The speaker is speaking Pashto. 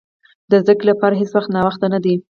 د زده کړې لپاره هېڅ وخت ناوخته نه دی.